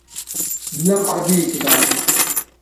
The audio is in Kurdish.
Zilam erebeyekê diajo.